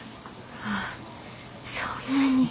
ああそんなに。